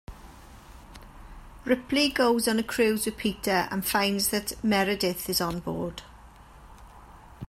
Ripley goes on a cruise with Peter and finds that Meredith is on board.